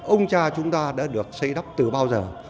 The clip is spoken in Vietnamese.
ông cha chúng ta đã được xây đắp từ bao giờ